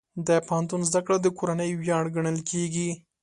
د پوهنتون زده کړه د کورنۍ ویاړ ګڼل کېږي.